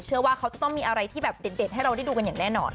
เชื่อว่าเขาจะต้องมีอะไรที่แบบเด็ดให้เราได้ดูกันอย่างแน่นอน